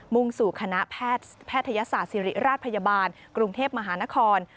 ่งสู่คณะแพทยศาสตร์ศิริราชพยาบาลกรุงเทพมหานคร